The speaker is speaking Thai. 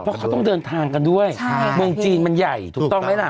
เพราะเขาต้องเดินทางกันด้วยเมืองจีนมันใหญ่ถูกต้องไหมล่ะ